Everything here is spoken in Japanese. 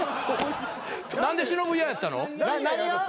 何で忍嫌やったの？